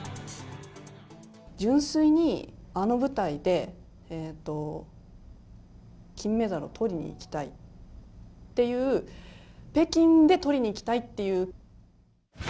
純粋に、あの舞台で、金メダルをとりにいきたいっていう、北京でとりにいきたいっていう。